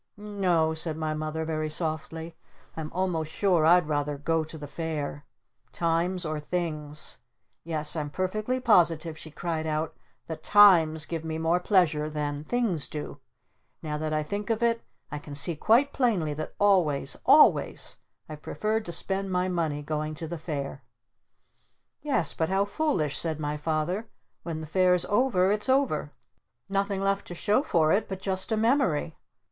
"N o," said my Mother very softly, "I'm almost sure I'd rather 'go to the Fair'! 'Times' or 'Things'? Yes I'm perfectly positive," she cried out, "that Times give me more pleasure than Things do! Now that I think of it I can see quite plainly that always always I've preferred to spend my money 'going to the Fair'!" "Yes, but how foolish," said my Father. "When the Fair's over it's over! Nothing left to show for it but just a memory."